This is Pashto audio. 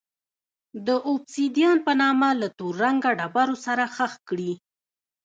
د اوبسیدیان په نامه له تور رنګه ډبرو سره ښخ کړي.